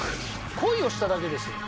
恋をしただけですよ。